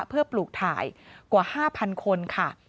เพื่อปลูกถ่ายกว่า๕๐๐คนค่ะ